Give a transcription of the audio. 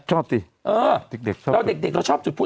ชอบติโลกเด็กชอบจุฐภู้